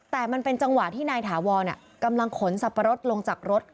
แต่มันเป็นจังหวะที่นายถาวรกำลังขนสับปะรดลงจากรถ